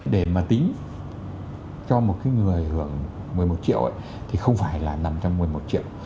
để mà tính cho một người hưởng một mươi một triệu thì không phải là nằm trong một mươi một triệu